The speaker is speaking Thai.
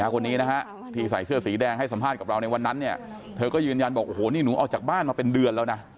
คนนี้นะฮะที่ใส่เสื้อสีแดงให้สัมภาษณ์กับเราในวันนั้นเนี่ยเธอก็ยืนยันบอกโอ้โหนี่หนูออกจากบ้านมาเป็นเดือนแล้วนะ